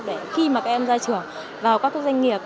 để khi mà các em ra trường vào các doanh nghiệp